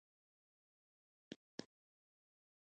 ګاونډي سره همدردي ښایسته اخلاق دي